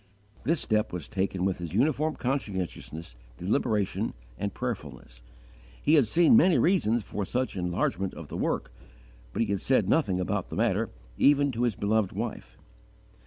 This step was taken with his uniform conscientiousness, deliberation, and prayerfulness. He had seen many reasons for such enlargement of the work, but he had said nothing about the matter even to his beloved wife.